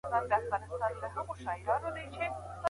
ما پرون مکتب ته تياری وکړ.